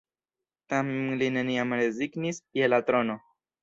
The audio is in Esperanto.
Tamen li neniam rezignis je la trono.